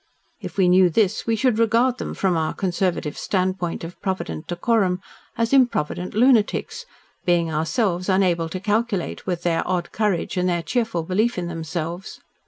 If we knew this, we should regard them from our conservative standpoint of provident decorum as improvident lunatics, being ourselves unable to calculate with their odd courage and their cheerful belief in themselves.